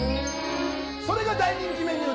それが大人気メニュー